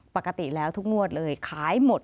ปกติแล้วทุกงวดเลยขายหมด